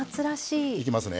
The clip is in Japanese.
いきますね。